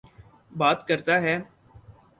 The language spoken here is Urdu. بات کرتا ہے۔